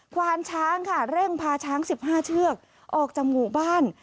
ควานช้างค่ะเร่งพาช้าง๑๕เชือกออกจากหมู่บ้าน